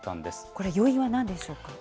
これ要因はなんでしょうか。